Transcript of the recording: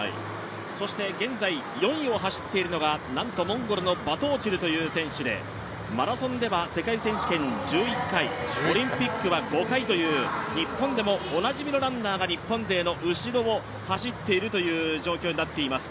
そして現在、４位を走っているのがなんとモンゴルのバトオチルという選手でマラソンでは世界選手権１１回オリンピックは５回という日本でもおなじみのランナーが日本勢の後ろを走っているという状況になっています。